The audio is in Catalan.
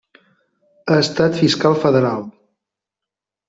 Ha estat fiscal federal.